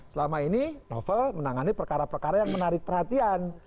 selama ini novel menangani perkara perkara yang menarik perhatian